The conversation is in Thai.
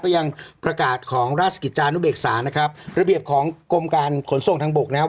ยังประกาศของราชกิจจานุเบกษานะครับระเบียบของกรมการขนส่งทางบกนะครับ